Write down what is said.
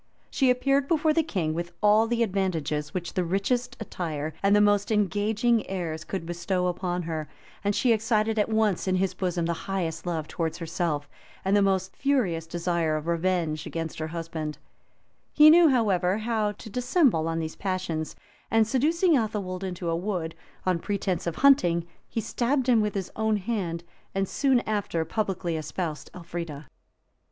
She appeared before the king with all the advantages which the richest attire, and the most engaging airs, could bestow upon her, and she excited at once in his bosom the highest love towards herself, and the most furious desire of revenge against her husband. He knew, however, how to dissemble these passions; and seducing Athelwold into a wood, on pretence of hunting, he stabbed him with his own hand, and soon after publicly espoused Elfrida.[*] [* W. Malms, lib. ii. cap. 8. Hoveden, p. 426. Brompton, p. 865, 866. Flor. Wigorn. p.